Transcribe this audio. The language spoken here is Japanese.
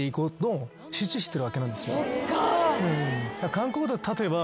韓国だと例えば。